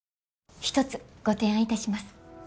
一つご提案いたします。